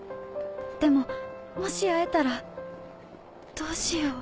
でももし会えたらどうしよう？